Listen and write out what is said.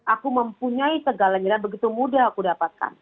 aku mempunyai segalanya dan begitu mudah aku dapatkan